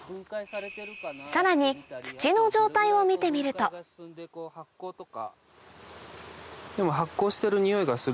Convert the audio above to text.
さらに土の状態を見てみるとでも。